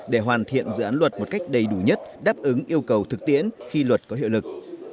để hoàn thiện dự án luật một cách đầy đủ nhất đáp ứng yêu cầu thực tiễn khi luật có hiệu lực